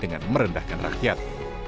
dengan merendahkan rakyat